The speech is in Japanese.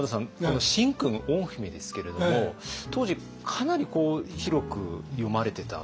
この「神君御文」ですけれども当時かなり広く読まれてた。